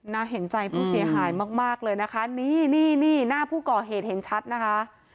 น่าเห็นใจผู้เสียหายมากเลยนะคะนี่นี่หน้าผู้ก่อเหตุเห็นชัดนะคะ